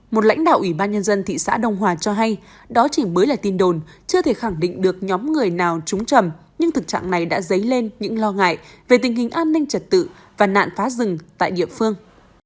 một lãnh đạo ủy ban nhân dân thị xã đông hòa cho hay đó chỉ mới là tin đồn chưa thể khẳng định được nhóm người nào trúng trầm nhưng thực trạng này đã dấy lên những lo ngại về tình hình an ninh trật tự và nạn phá rừng tại địa phương